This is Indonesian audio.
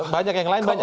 banyak yang lain banyak